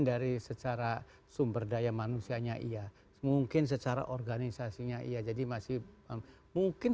dari secara sumber daya manusianya iya mungkin secara organisasinya iya jadi masih mungkin